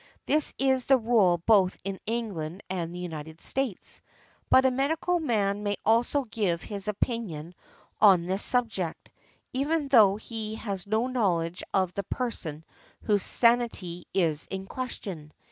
This is the rule both in England and the United States . But a medical man may also give his opinion on this subject, even though he has no knowledge of the person whose sanity is in question .